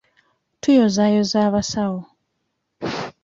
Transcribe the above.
Tuyozaayoza abasawo.